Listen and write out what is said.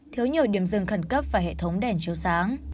thiếu nhiều điểm rừng khẩn cấp và hệ thống đèn chiếu sáng